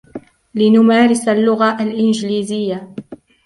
لنمارس اللغة الإنجليزية.